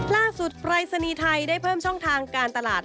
ปรายศนีย์ไทยได้เพิ่มช่องทางการตลาด